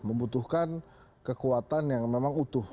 membutuhkan kekuatan yang memang utuh